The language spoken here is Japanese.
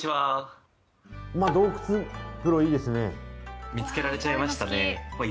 洞窟風呂いいですね。